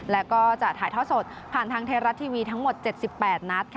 และก็จะถ่ายท่อสดผ่านทางไทยรัฐทีวีทั้งหมด๗๘นัดค่ะ